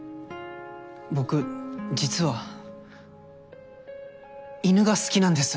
僕実は犬が好きなんです。